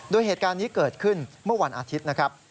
โดยเหตุการณ์นี้เกิดขึ้นเมื่อวันอาทิตย์นะครับ